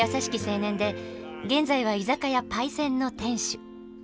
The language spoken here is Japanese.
青年で現在は居酒屋「パイセン」の店主。